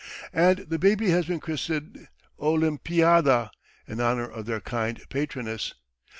And the baby has been christened Olimpiada, in honour of their kind patroness.